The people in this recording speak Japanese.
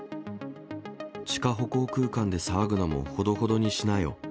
地下歩行空間で騒ぐのもほどほどにしなよ。